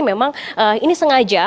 memang ini sengaja